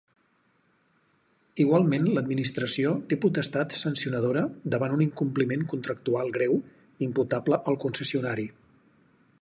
Igualment l'administració té potestat sancionadora davant un incompliment contractual greu imputable al concessionari.